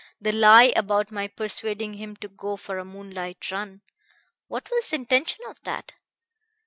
The lie about my 'persuading him to go for a moonlight run.' What was the intention of that?